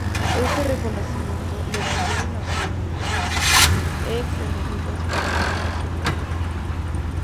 Este reconocimiento le valió el apoyo de muchos ex-enemigos para lograr su libertad.